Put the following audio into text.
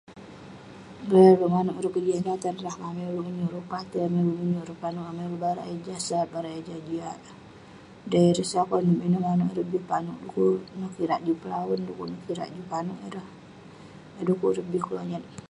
[unintelligible] kejian ireh atan rah kek, amai ulouk menyuk ireh pepatai, amai ulouk menyuk ireh panouk. Amai barak eh jah sat, barak eh jah jian. Dei ireh sat konep, ineh manouk ireh bi panouk. Dekuk neh kirak juk pelawen, dekuk neh kirak juk panouk ireh. Yah dukuk ireh bi kelonyat.